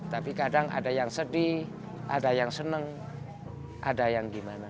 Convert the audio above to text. tapi kadang ada yang sedih ada yang seneng ada yang gimana